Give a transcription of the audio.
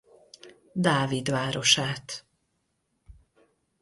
Dávid városát.